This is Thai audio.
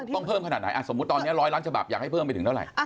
ต้องเพิ่มขนาดไหนสมมุติตอนนี้๑๐๐ล้านฉบับอยากให้เพิ่มไปถึงเท่าไหร่